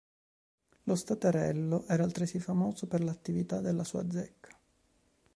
Lo Staterello era altresì famoso per l'attività della sua zecca.